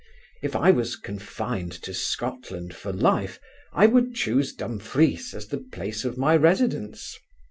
If I was confined to Scotland for life, I would chuse Dumfries as the place of my residence.